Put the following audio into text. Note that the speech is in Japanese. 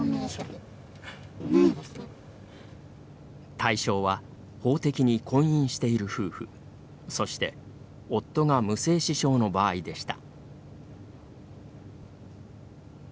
対象は法的に婚姻している夫婦そして、夫が無精子症の場合でした。